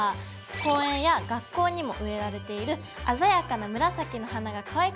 「公園や学校にも植えられている」なんだって！